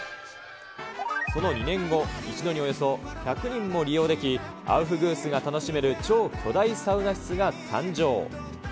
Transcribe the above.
その２年後、一度におよそ１００人が利用でき、アウフグースが楽しめる超巨大サウナ室が誕生。